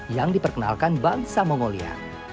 yang diperkenalkan bangsa mongolia